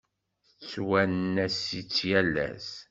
Yettwanas-itt yal ass.